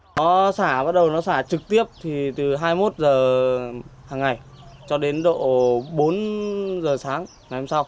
nó xả bắt đầu nó xả trực tiếp thì từ hai mươi một h hàng ngày cho đến độ bốn h sáng ngày hôm sau